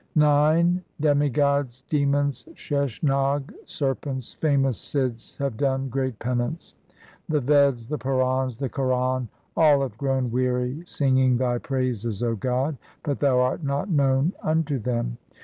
1 IX Demigods, demons, Sheshnag, serpents, famous Sidhs have done great penance ; The Veds, the Purans, the Quran, all have grown weary singing Thy praises, O God, but Thou art not known unto them.